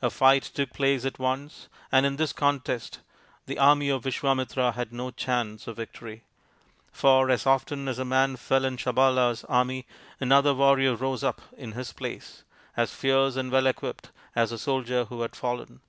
A fight took place at once, and in this contest the army of Visvamitra had no chance of victory ; for as often as a man fell in Sabala's army another warrior rose up in his place, as fierce and well equipped as the soldier who had fallen.